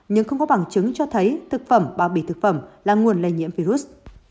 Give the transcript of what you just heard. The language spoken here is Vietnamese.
nhưng không có bằng chứng cho thấy thực phẩm bao bì thực phẩm là nguồn lây nhiễm virus